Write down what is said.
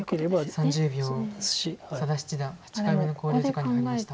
佐田七段８回目の考慮時間に入りました。